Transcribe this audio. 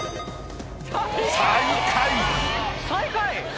最下位？